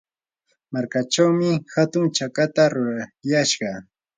markachawmi hatun chakata rurayashqa.